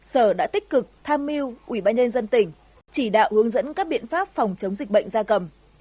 sở đã tích cực tham mưu ubnd dân tỉnh chỉ đạo hướng dẫn các biện pháp phòng chống dịch bệnh gia cầm